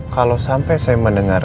kalau sampai saya mendengar